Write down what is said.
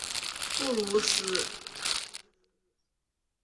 布鲁斯。